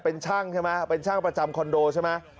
เป็นช่างใช่ไหมเป็นช่างประจำคอนโดใช่ไหม